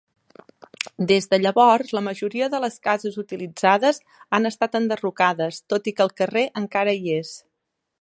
Des de llavors, la majoria de les cases utilitzades han estat enderrocades, tot i que el carrer encara hi és.